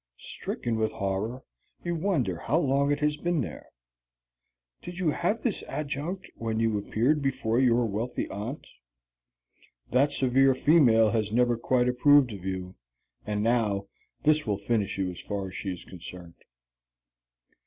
Stricken with horror, you wonder how long it has been there. Did you have this adjunct when you appeared before your wealthy aunt? That severe female has never quite approved of you, and now this will finish you as far as she is concerned.